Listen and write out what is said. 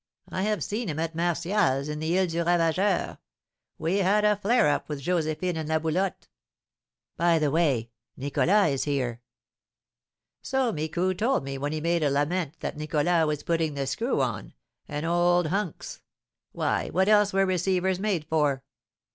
I have seen him at Martial's, in the Isle du Ravageur. We had a flare up with Josephine and La Boulotte." "By the way, Nicholas is here." "So Micou told me when he made a lament that Nicholas was putting the screw on an old hunks! Why, what else were receivers made for?"